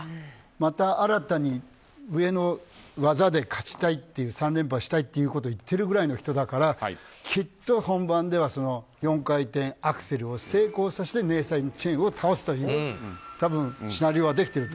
また新たに上の技で勝ちたいと３連覇したいって言ってるくらいの人だからきっと、本番では４回転アクセルを成功させてネイサン・チェンを倒すという多分シナリオはできていると。